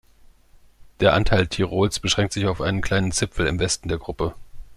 Der Anteil Tirols beschränkt sich auf einen kleinen Zipfel im Westen der Gruppe.